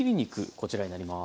こちらになります。